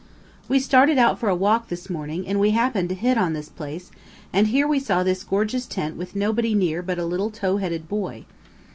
We started out for a walk this morning, and we happened to hit on this place, and here we saw this gorgeous tent with nobody near but a little tow headed boy."